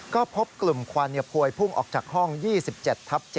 ก็พบกลุ่มควันพวยพุ่งออกจากห้อง๒๗ทับ๗